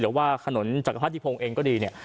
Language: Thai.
หรือว่าถนนจักรพธิพงก็ดี